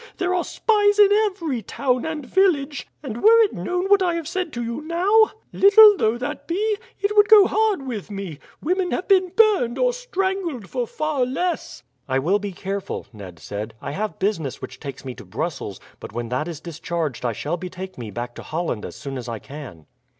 There are spies in every town and village, and were it known what I have said to you now, little though that be, it would go hard with me. Women have been burned or strangled for far less." "I will be careful," Ned said. "I have business which takes me to Brussels, but when that is discharged I shall betake me back to Holland as soon as I can."